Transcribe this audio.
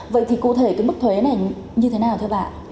vậy thì cụ thể cái mức thuế này như thế nào thưa bà